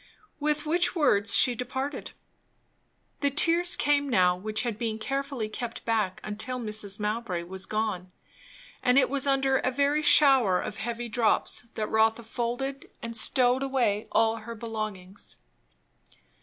With which words she departed. The tears came now, which had been carefully kept back until Mrs. Mowbray was gone; and it was under a very shower of heavy drops that Rotha folded and stowed away all her belongings.